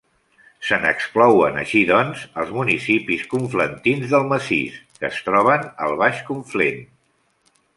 Se n'exclouen, així doncs, els municipis conflentins del massís, que es troben al Baix Conflent.